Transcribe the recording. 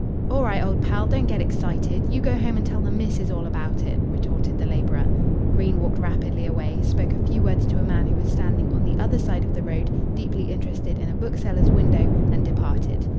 "All right, old pal. Don't get excited. You go home and tell the missus all about it," retorted the labourer. Green walked rapidly away, spoke a few words to a man who was standing on the other side of the road, deeply interested in a bookseller's window, and departed.